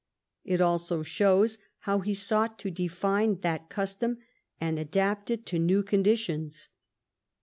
It also shows how he sought to define that custom and adapt it to new conditions.